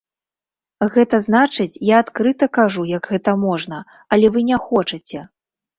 Гэта значыць, я адкрыта кажу, як гэта можна, але вы не хочаце!